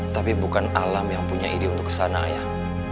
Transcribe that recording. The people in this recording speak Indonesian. tapi bukan alham yang punya ide untuk ke sana ayah